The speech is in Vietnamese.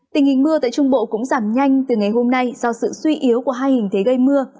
tình hình mưa tại trung bộ cũng giảm nhanh từ ngày hôm nay do sự suy yếu của hai hình thế gây mưa